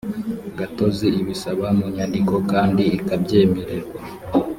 gatozi ibisaba mu nyandiko kandi ikabyemererwa